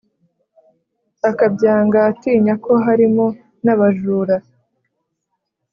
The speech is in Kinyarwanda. akabyanga atinya ko harimo n’abajura.